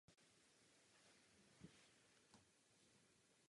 V Brazílii se objevily problémy.